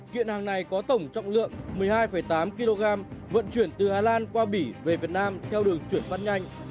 kiện hàng này có tổng trọng lượng một mươi hai tám kg vận chuyển từ hà lan qua bỉ về việt nam theo đường chuyển phát nhanh